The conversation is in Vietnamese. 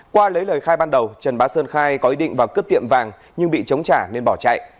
qua lấy lời khai ban đầu trần bá sơn khai có ý định vào cướp tiệm vàng nhưng bị chống trả nên bỏ chạy